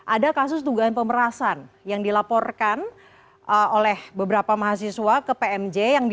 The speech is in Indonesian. ada kasus dugaan pemerasan yang dilaporkan oleh beberapa mahasiswa ke pmj